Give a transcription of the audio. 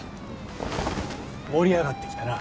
盛り上がってきたな。